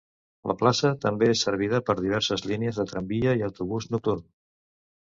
La plaça també és servida per diverses línies de tramvia i autobús nocturn.